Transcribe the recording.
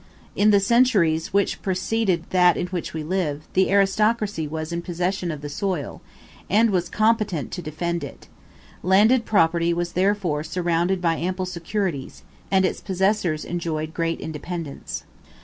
In the centuries which preceded that in which we live, the aristocracy was in possession of the soil, and was competent to defend it: landed property was therefore surrounded by ample securities, and its possessors enjoyed great independence.